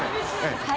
はい。